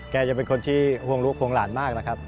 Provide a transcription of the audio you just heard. จะเป็นคนที่ห่วงลูกห่วงหลานมากนะครับ